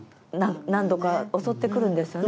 何度か襲ってくるんですよね